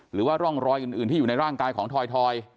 หรือว่าร่องรอยอื่นที่อยู่ในร่างกายของถอย